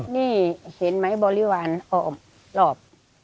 นี่เผ็ดไหมบริวารออกออกรอบ